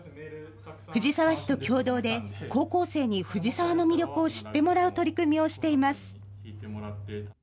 藤沢市と協同で、高校生に藤沢の魅力を知ってもらう取り組みをしています。